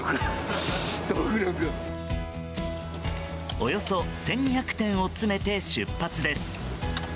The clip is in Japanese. およそ１２００点を詰めて出発です。